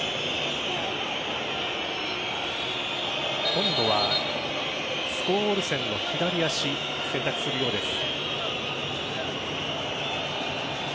今度はスコウオルセンの左足選択するようです。